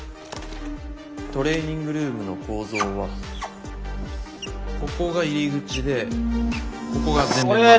トレーニングルームの構造はここが入り口でここが全面窓。